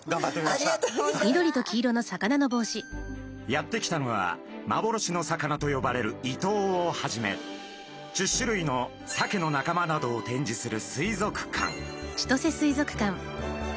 やって来たのはまぼろしの魚と呼ばれるイトウをはじめ１０種類のサケの仲間などを展示する水族館。